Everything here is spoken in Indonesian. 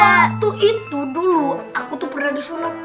waktu itu dulu aku tuh pernah disulap